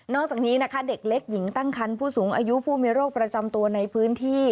อกจากนี้นะคะเด็กเล็กหญิงตั้งคันผู้สูงอายุผู้มีโรคประจำตัวในพื้นที่